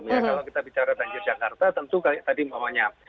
kalau kita bicara banjir jakarta tentu kayak tadi namanya